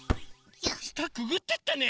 したくぐってったね